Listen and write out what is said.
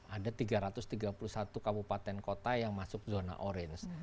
ada tiga ratus tiga puluh satu kabupaten kota yang masuk zona orange